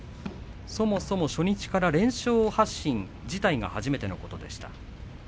そもそも初日から連勝発進自体が初めてのことでした。